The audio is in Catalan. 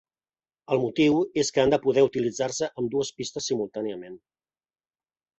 El motiu és que han de poder utilitzar-se ambdues pistes simultàniament.